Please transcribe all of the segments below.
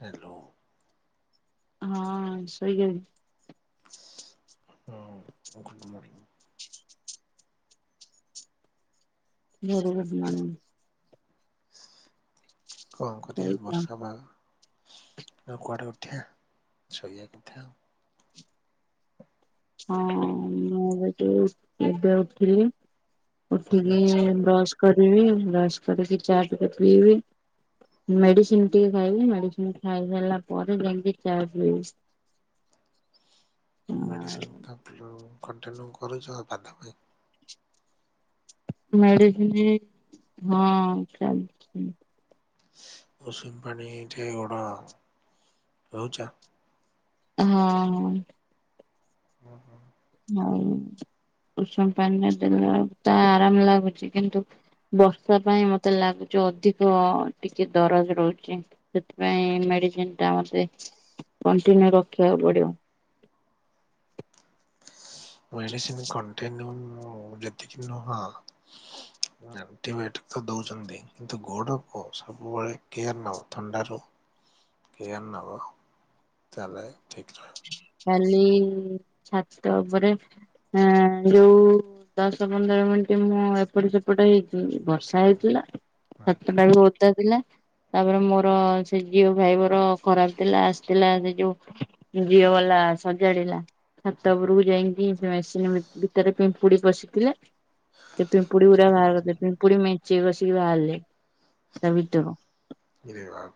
Hello. ହଁ ଶୋଇକିରି ହଁ good morning. Very good morning. କଣ କରିଆ ଶୋଇଚ ବର୍ଷା ପାଗ ଆଉ, କୁଆଡ଼େ ଉଠିଆ ଶୋଇବା କଥା ଆଉ। ହଁ ମୁଁ ବି ସେଇ ଏବେ ଉଠିଲି। ଉଠିକି ଆଚ୍ଛା। ବ୍ରସ୍ କରିବି, ବ୍ରସ୍ କରିକି ଚା ଟିକେ ପିଇବି। ମେଡିସିନ ଟିକେ ଖାଇବି, ମେଡିସିନ ଖାଇସାଇଲା ପରେ ଯାଇଁକି ଚା ପିଏଇ। ମେଡିସିନ ଆଉ [unintelligible] କଣ୍ଟିନ୍ୟୁ କରୁଛ ବାଧା ପାଇଁ। ମେଡ଼ିସିନ ହଁ ଖାଇ ଉସୁମୁ ପାଣିଠି ଗୋଡ ଧୋଉଛ? ହଁ- ହଁ। ଅଁ - ହଁ। ନାଇଁ ଉଷୁମ ପାଣିରେ ଦେଲା ବେଳକୁ ତ ଆରାମ ଲାଗୁଚି, କିନ୍ତୁ ବର୍ଷା ପାଇଁ ମତେ ଲାଗୁଚି ଅଧିକ ଟିକେ ଦରଜ ରହୁଛି। ସେଥିପାଇଁ ମେଡିସିନ ଟା ମତେ କଣ୍ଟିନ୍ୟୁ ରଖିବାକୁ ପଡିବ। ମେଡିସିନ୍ କଣ୍ଟିନ୍ୟୁ [unintelligible] ଠିକ୍ ନୁହଁ ଆଣ୍ଟିବାୟୋଟିକ ତ ଦଉଛନ୍ତି, କିନ୍ତୁ ଗୋଡକୁ ସବୁବେଳେ କେୟାର ନବ, ଥଣ୍ଡାରୁ କେୟାର ନବ ତାହେଲେ ଠିକ ରହିବ। କାଲି ଛାତ ଉପରେ ହଁ ଯୋଉ ଦଶ ପନ୍ଦର ମିନିଟ ମୁଁ ଏପଟ ସେପଟ ହେଇଛି। ବ ବର୍ଷା ହେଇଥିଲା ଛାତଟା ବି ଓଦା ଥିଲା ତାପରେ ମୋର ସେ ଜିଓ ଫାଇବର ଖରାପ ଥିଲା ଆସିଥିଲା ସେ ଯୋଉ ଜିଓ ବାଲା ସଜାଡିଲା। ଛାତ ଉପରକୁ ଯାଇକି ମେସିନ୍ ଭି ଭିତରେ ପିମ୍ପୁଡ଼ି ପଶିଥିଲେ। ସେ ପିମ୍ପୁଡ଼ି ଗୁରା ବାହାର [unintelligible] ସେ ପିମ୍ପୁଡ଼ି ମେଚେ କଷିକି ବାହାରିଲେ ତା ଭିତରୁ। ଇରେ ବାପ୍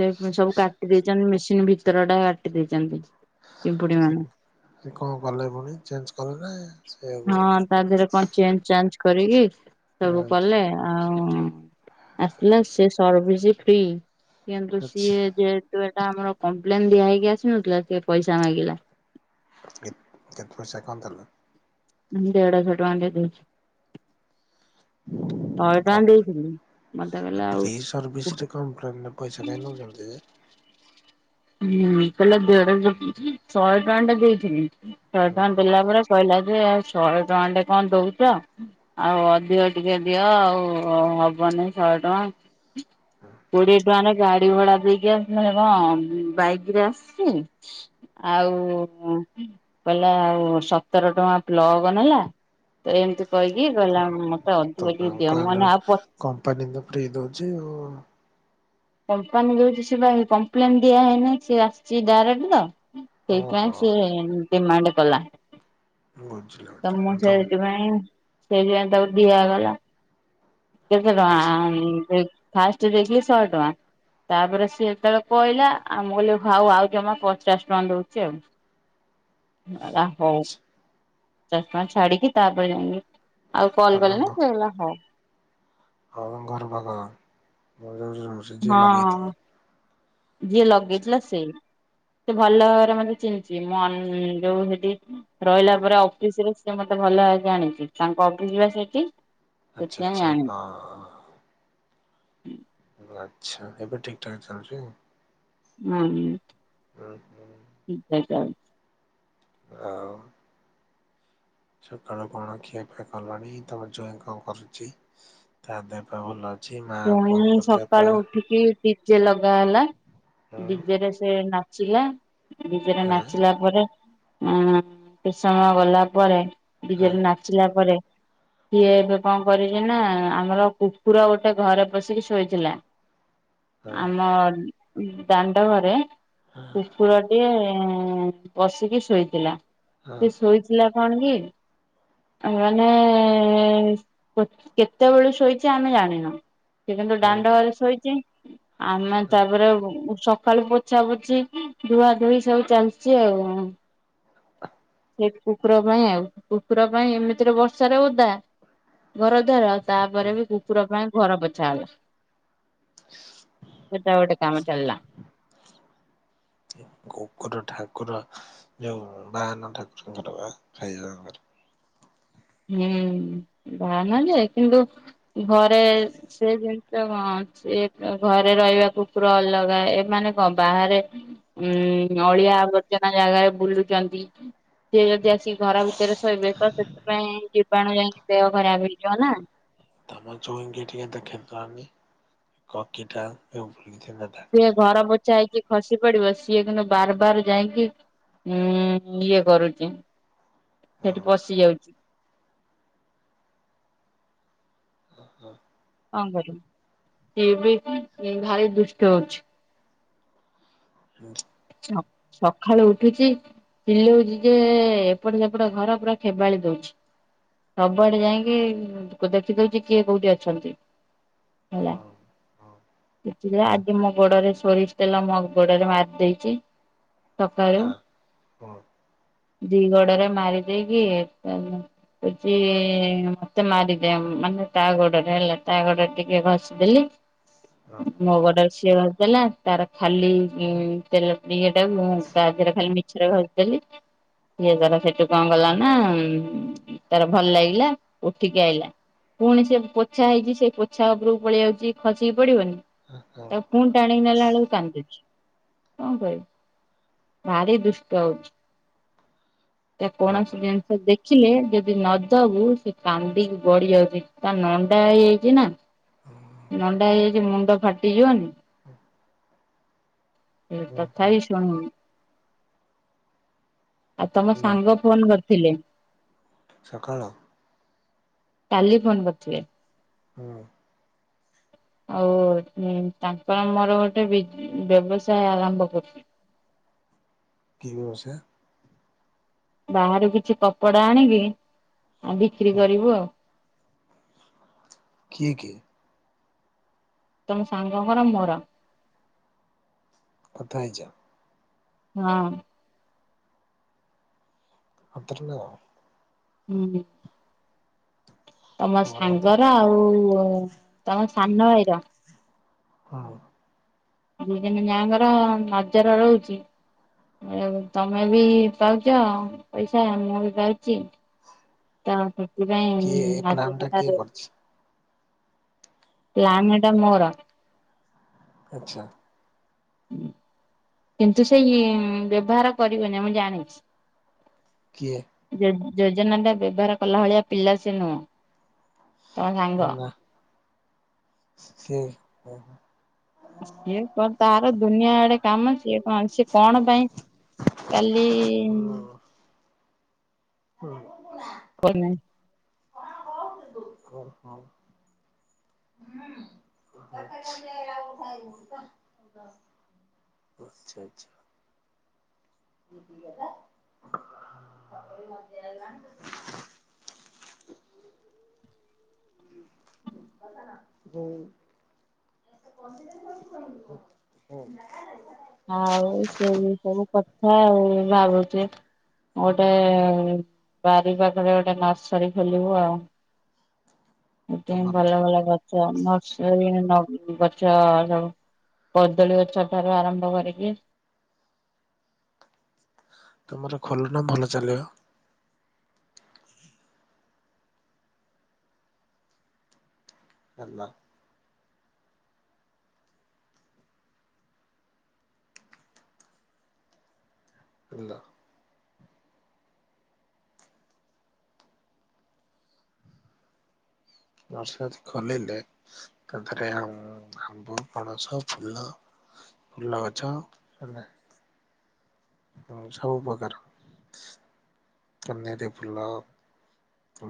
ସେ ସବୁ କାଟି ଦେଇଛନ୍ତି, ମେସିନ୍ ଭିତର ଟା କାଟି ଦେଇଛନ୍ତି। ପିମ୍ପୁଡି ସେ ମାନେ କ ସେ କଣ କଲା ପୁଣି ଚେଞ୍ଜ୍ କଲା ନା ସେଆକୁ ହେବ। ହଁ ତା ଦେହରେ କଣ ଚେଞ୍ଜ୍ ଚାଞ୍ଜ କରିକି ହଁ ସବୁ କଲେ। ଆଉ-ଉ-ଉ-ଉ ଆସିଲା ସେ ସର୍ଭିସ୍ ଫ୍ରି। କିନ୍ତୁ ଆଚ୍ଛା। ସିଏ ଯେହେତୁ ଏଟା ଆମର କମ୍ପ୍ଲେନ ଦିଆ ହେଇକି ଆସିନଥିଲା ସେ ପଇସା ମାଗିଲା। [unintelligible] କେତେ ପଇସା କଣ ଦେଲ? ହୁଁ ଦେଢଶହ ଟଙ୍କା ଦେଲି। ଶହେ ଟଙ୍କା କପ୍ ଦେଇଥିଲି। ମତେ ଆଉ କହିଲା ଆଉ ଫ୍ରି ସର୍ଭିସରେ କମ୍ପ୍ଲେନ୍ ରେ ପଇସା କାଇଁ ନେଉଛନ୍ତି ଯେ? ହୁଁ କହିଲେ ଦେଢଶ ଶହେ ଟଙ୍କାଟେ ଦେଇଥିଲି ଶହେ ଟଙ୍କା ଦେଲା ପରେ କହିଲା ଯେ ଆଉ ଶହେ ଟଙ୍କାଟେ କଣ ଦଉଛ ଆଉ ଅଧିକ ଟିକେ ଦିଅ ଆଉ-ଉ-ଉ-ଉ ହବନି ଶହେ ଟଙ୍କା। କୋଡିଏ ଟଙ୍କାରେ ଗାଡି ଭଡା ଦେଇକି ଆସିଲିଣି କଣ ବାଇକ ରେ ଆସିଛି। ଆଉ-ଉ-ଉ ଉ କହିଲା ଆଉ ସତର ଟଙ୍କା ପ୍ଲଗ୍ ନେଲା। ତ ଏମିତି କହିକି କହିଲା ମତେ ଅଧିକ ତମେ ଟିକେ ଦିଅ କହିଲ ମୁଁ ଆଉ ପ କମ୍ପାନୀ ତ ଫ୍ରି ଦୋଉଛିି ଆଉ। କମ୍ପାନୀ ଦୋଉଛି ସେ ପା କମ୍ପ୍ଲେନ ଦିଆ ହେଇନି ସିଏ ଆସିଛି ଡାଇରେକ୍ଟ ତ। ସେଇଥିପାଇଁ ଓହୋ ସିଏ ଡିମାଣ୍ଡ କଲା। ବୁଝିଲି ତ ବୁଝିଲି ମୁଁ ତମ ସେଇଥିପାଇଁ ସେଇଥିପାଇଁ ତାକୁ ଦିଆଗଲା। କେତେ ଆଚ୍ଛା ଟଙ୍କା-ଆ-ଆ-ଆ-ମ୍ ଫାଷ୍ଟ ଦେଇଥିଲି ଶହେ ଟଙ୍କା। ତାପରେ ସିଏ ଯେତେବେଳେ କହିଲା ଆଉ ମୁଁ କହିଲି ଆଉ ଜମା ପଚାଶ ଟଙ୍କା ଦୋଉଛି ଆଉ। କହିଲା ହୋଉ ଆଚ୍ଛା ପଞ୍ଚାଶ ଟଙ୍କା ଛାଡ଼ିକିି ତାପରେ ଯାଇକି ଆଉ କଲ୍ ତମ ଘ କଲେନି ସେ କହିଲା ହଉ। ହଁ ହ ଘର ପାଖ ଭଲ ସେ ଜିଓ ହଁ। ଲଗେଇଥିଲେ। ଯିଏ ଆଚ୍ଛା ଲଗେଇଥିଲା ସେଇ ସେ ଭଲ ଭାବରେ ମତେ ଚିିହ୍ନିଚି। ମୁଁ ଅନ୍-ନ୍ ଯୋଉ ସେଇଠି ରହିଲା ପରେ ଅଫିସ ରେ ସିଏ ମତେ ଭଲ ଆଗେ ଆଣିଛି ତାଙ୍କ ଅଫିସ ପା ସେଠି। ଆଛା ସେଥିପାଇଁ ଆଚ୍ଛା ଜାଣିଚି। ହଁ-ଅ-ଅ-ଅ। ଓହୋ ଆଚ୍ଛା ଏବେ ଠିକ୍ ଠାକ୍ ଚାଲୁଚି? ହୁଁ ହୁଁ ଠିକ୍ ଠାକ୍ ଚାଲ ଆଉ-ଉ-ଉ ସକାଳୁ କଣ ଖିଆ ପିଆ କଲଣି, ତମ ଜୂଇ କଣ କରୁଛି? ତା ଦେହପା ଭଲ ଅଛି ମା ବୋଉଙ୍କ ଦେହପା? ଠିକି ଡି ଜେ ଲଗା ଗଲା ଡି ଜେ ଗୋକୁର ରେ ସେ ନାଚିଲା। ଡି ଜେରେ ନାଚିଲା ପରେ। ଅ-ଅ-ଅ କିଛି ସମୟ ଗଲା ପରେ ଡି ଜେରେ ନାଚିଲା ପରେ ସିଏ ଏବେ କଣ କରିଚି ନା ଆମର କୁକୁର ଗୋ ଟେ ଘରେ ପଶିକି ଶୋଇଥିଲା ଆମ ଦାଣ୍ଡ ଘରେ। କୁକୁରଟିଏ-ଏ-ଏ-ଏ-ଏ ପସିକି ଶୋଇଥିଲା। ସେ ଶୋଇଚି ଥିଲା କଣ କି? ଆଙ୍କ ମାନେ-ଏ-ଏ-ଏ-ଏ-ଏ କେତେବେଳୁ ଶୋଇଛି ଆମେ ଜାଣିନୁ। ସେ କିନ୍ତୁ ଦାଣ୍ଡ ଘରେ ଶୋଇଛି। ଆମେ ତାପରେ ଉ-ଉ ସକାଳୁ ପୋ ଛା ପୋଛିି ଧୂଆ ଧୋଇ ସବୁ ଚାଲିଚି ଆଉ। ସେ କୁକୁର ପାଇଁ ଆଉ। କୁକୁର ପାଇଁ ଏମିତିରେ ବର୍ଷାରେ ଓଦା ଘର ଦ୍ୱାର ଆଉ ତାପରେ ବି କୁକୁର ପାଇଁ ଘର ପୋଛାହେଲା। ସେଟା ଗୋଟେ କାମ ଚଲିଲା। [inaudible] କୁକୁର ଠାକୁର ଯୋଉ ବାହନ ଠାକୁରଙ୍କର ବା ଖାଇ ହୁଁ ବାହନ ଯେ କିନ୍ତୁ ଘରେ ସେ ଜିନିଷ କଣ ସେ ଘରେ ରହିବା କୁକୁର ଅଲଗା ଏମାନେ କଣ ବାହାରେ ଉୁଁ -ଅଳିଆ ଆବର୍ଜନା ଜାଗାରେ ବୁଲୁଚନ୍ତି। ସିଏ ଯଦି ଆସିକି ଘର ଭିତରେ ଶୋଇବେ ତ ସେଥିପାଇଁ ଜୀବାଣୁ ଯାଇକି ଦେହ ଖରାପ ହେଇଯିବ ନା। ତମ ଚୁଇଁଙ୍ଗିଂ କ୍ୟା ତ ଖେତଆନି କକିଟା ଏବଂ ଭୁଇନ୍ତିନାଥ। ସିଏ ଘର ପୋଛା ହେଇକି ଖସି ପଡିବ ସିଏ କିନ୍ତୁ ବାର ବାର ଯାଇକି ଉଁ- ଇଏ କରୁଛି। ସେଠି ବସି ଯାଉଛି। ହ୍ନା ହ୍ନା। କଣ କରିବୁ ଇଏ ବି ଭାରି ଦୁଷ୍ଟ ହଉଛି। ସକ-ସଖାଳୁ ଉଠୁଚି ଚିଲୋଉଚି ଯେ ଏପଟେ ସେପଟେ ଘର ପୁରା ଖେବାଳି ଦଉଛି। ସବୁଆଡେ ଯାଇଁକି ଲୋକଦେଖିଦଉଛି କିଏ କୋଉଠି ଅଛନ୍ତି। ରାମ। ସେ ଆଜି ମୋ ଗୋଡରେ ସୋରିଷ ତେଲ ମୋ ଗୋଡ଼ ରେ ମାରିଦେଇଛି। ଚି ସକାଳୁ। ଦି ଗୋଡରେ ମାରି ଦେଇକି ଏଟାନୁ। କୋଉଛି-ମତେ ମାରିଦେ ମାନେ ତାଗୋଡ଼ରେ ହେଲା ତାଗୋଡ଼ରେ ଟିକେ ଘ ଦେଲି ମୋଗୋଡରେ ସିଏ ଘଷି ଦେଲା ତାର ଖାଲି ଇଁ ତେଲ ସିଏ ଟାକୁ ମୁଁତା ହାତ ରେ ଖାଲି ମିଛରେ ଘସିଦେଲି। ଇଏ ତାର ସେଠୁ କଣ କଲା ନା ତାର ଭଲ ଲାଗିଲା ଉଠିକି ଆଇଲାା। ପୁଣି ସେ ପୋଛା ହେଇଛି ସେ ପୋଛା ଉପରକୁ ପଳେଇଆଉଚି ଖସିକି ପଡିବନି। ତାକୁ ପୁଣି ଟାଣିକି ନେଲା ବେଳକୁ କାନ୍ଦୁଚି। କଣ କହିବି ଭାରି ଦୁଷ୍ଟ ହଉଚି। ଯେ କୌଣସି ଜିନିଷ ଦେଖିଲେ ଯଦି ନଦବୁ ସେ କାନ୍ଦିକି ଗଡ଼ି ଯାଉଛି। ତା ନଣ୍ଡା ହେଇଯାଇଚିନା। ନଣ୍ଡା ହେଇଯାଇଛି ମୁଣ୍ଡ ଫାଟିଯିବନି। ହେଇ ତଥାବି ଶୁଣୁନି। ଆ ତମ ସାଙ୍ଗ ଫୋନ କରିଥିଲେ। ସଖଳ? କାଲି ଫୋନ କରିଥିଲେ। ହୁଁ ଆଉ ତାଙ୍କର ମୋର ଗୋଟେ ବି- ବ୍ୟବସାୟ ଆରମ୍ଭ କରିଛୁ। କି ବ୍ୟବସାୟ? ବାହାରୁ କିଛି କପଡା ଆଣିକି ଆଉ ବିକ୍ରି ହୁଁ କରିବୁ ଆଉ। ଠିକ୍ ହେ। ୍ ତମ ସାଙ୍ଗ ଙ୍କ ର ମୋର। କଥା ହେଇଚ? ହଁ। ଉଠିଲ। ହୁଁ। ତମ ଭଲ ତ ସାଙ୍ଗର ଆଉ -ତମ ସାନ ଭାଇର। ହଁ। ଦି ଦିନି ମିୟାଙ୍କର ନଜର ରହୁଛି। ଆଉ ତମେ ବି ପାଉଛ, ପଇସା ମୁଁ ବି ପାଉଛି। ତ ସେଥିପାଇଁ କିଏ ଏ ରାଜ ପ୍ଲାନ୍ ଟା କିଏ କଠାରେ କରିଛି? ପ୍ଲାନ୍ ଟା ମୋର। ଆଚ୍ଛା। କିନ୍ତୁ ସେଇ ମ ବ୍ୟବହାର କରିବେନି ମୁଁ ଜାଣିଛି। କିଏ? ଯେ ଜେଜେନା ଟା ବ୍ୟବହାର କଲା ଭଳିଆ ପିଲା ସେ ନୁହଁ। ତମ ସାଙ୍ଗ। ନା ସେ ହ। ସିଏ କ ତାର ଦୁନିଆ ଆଡେ କାମ ସିଏ କଣ ସିଏ କଣ ପାଇଁ କାଲି ଓହୋ। କହିଲେନି। [unintelligible] ହଁ। ହୁଁ [unintelligible] ଆଚ୍ଛା ଆଚ୍ଛା। ଲା ହୁଁ ହଉ। ଆଉ ସେ ସବୁ ଉପରେ କଥା ଆଉ ଭାବୁଛି। ଗୋଟେ ବାରି ପାଖରେ ଗୋଟେ ନର୍ସରୀ ଖୋଲିବୁ ଆଉ। [unintelligible] ତମର ଭଲ ଭଲ ଗଛ ନର୍ସରୀ ଗଛ ସବ କଦଳୀ ଗଛ ଠାରୁ ଆରମ୍ଭ କରିକି ତମର ଖଲନ ଭଲ ଚାଲ ଭଲ। ପୁଲ। ନର୍ସରି ଖୋଲିଲେ ତା ଥିରେ ଆମ୍ବ ପଣସ ଫୁଲ ଫୁଲ ଗଛ ହେଲା। ହଁ ସବୁ ପ୍ରକାର କନିଆୟରି ଫୁଲ।